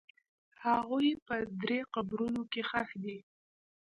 هغوی په درې قبرونو کې ښخ دي.